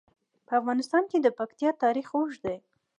په افغانستان کې د پکتیکا تاریخ اوږد دی.